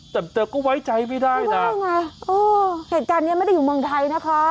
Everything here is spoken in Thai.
แต่เธอก็ไว้ใจไม่ได้นะเหตุการณ์เนี้ยไม่ได้อยู่เมืองไทยนะคะ